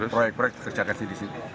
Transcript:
proyek proyek kerja kasih di sini